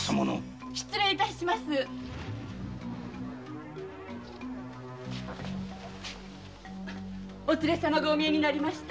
・失礼致しますお連れ様がお見えになりました。